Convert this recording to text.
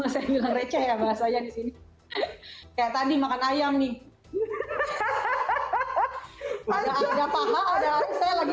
saya bilang receh bahasanya disini ya tadi makan ayam nih hahaha ada ada pak ada lagi